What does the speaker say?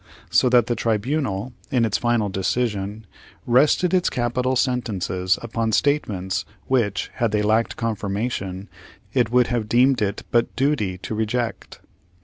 So that the tribunal, in its final decision, rested its capital sentences upon statements which, had they lacked confirmation, it would have deemed it but duty to reject.